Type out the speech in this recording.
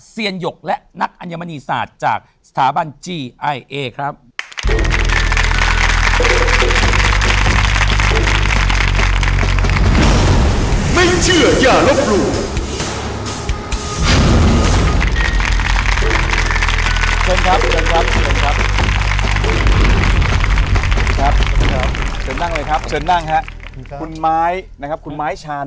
เชื่ออย่าลบหลุม